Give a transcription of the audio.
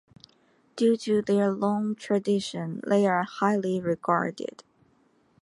Due to their long tradition, they are highly regarded.